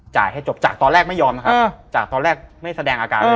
ให้จบจากตอนแรกไม่ยอมนะครับจากตอนแรกไม่แสดงอาการเลย